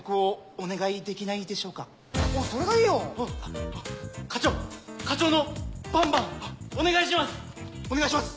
お願いします！